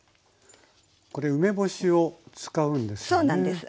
これ梅干しを使うんですよね？